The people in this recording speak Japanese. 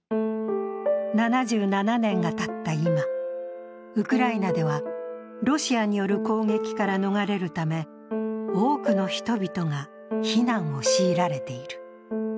７７年がたった今、ウクライナではロシアによる攻撃から逃れるため、多くの人々が避難を強いられている。